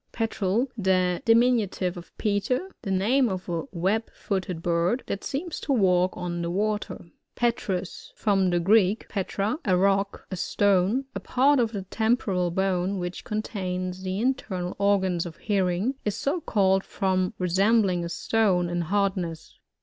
Petrel.— The diminutive of Peter. The name of a web footed bird, that seems to walk on the water. Petrous. —From the Greek, petra^ a rock, a stone. A part of the tem poral bone, which contains the internal organs of hearing, is so c»llt d, from resembling a stone in hardness.